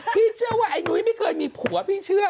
พี่เชื่อว่าไอ้นุ้ยไม่เคยมีผัวพี่เชื่อ